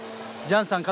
ジャンさん